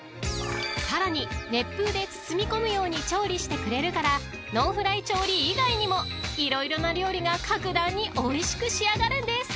［さらに熱風で包みこむように調理してくれるからノンフライ調理以外にも色々な料理が格段においしく仕上がるんです］